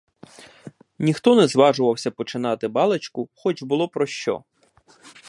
Ніхто не зважувався починати балачку, хоч було про що.